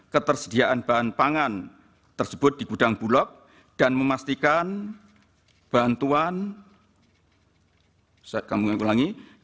ketersediaan bahan pangan tersebut di gudang bulog dan memastikan bantuan ulangi